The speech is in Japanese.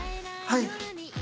はい！